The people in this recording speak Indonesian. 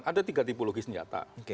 ada tiga tipologi senjata